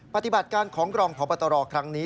ปฏิบัติการของรองพบตรครั้งนี้